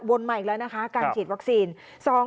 มาอีกแล้วนะคะการฉีดวัคซีน